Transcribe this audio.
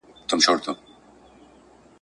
د انساني مور په څېر مځکه هم زرغونېدله